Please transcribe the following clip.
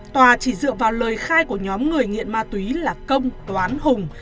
tòa chỉ dựa vào lời khai của nhóm người nghiện ma túy là công toán hùng